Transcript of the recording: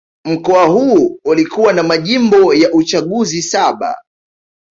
Mkoa huu ulikuwa na majimbo ya uchaguzi saba